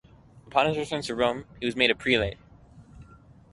Upon his return to Rome, he was made a prelate.